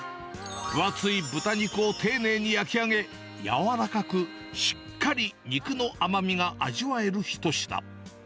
分厚い豚肉を丁寧に焼き上げ、柔らかくしっかり肉の甘みが味わえる一品。